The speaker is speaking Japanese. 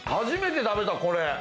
初めて食べた、これ。